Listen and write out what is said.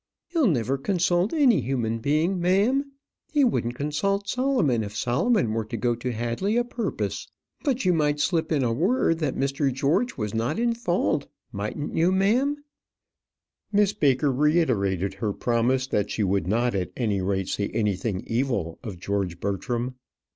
"He'll never consult any human being, ma'am. He wouldn't consult Solomon if Solomon were to go to Hadley o' purpose. But you might slip in a word that Mr. George was not in fault; mightn't you, ma'am?" Miss Baker reiterated her promise that she would not at any rate say anything evil of George Bertram.